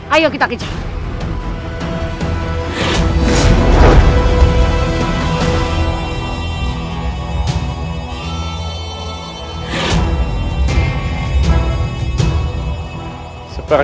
ayo kita kejar